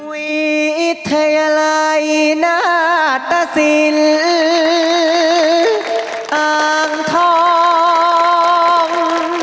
วิทยาลัยนาตาสินอังธภัมภ์